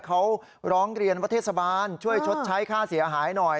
เขาร้องเรียนว่าเทศบาลช่วยชดใช้ค่าเสียหายหน่อย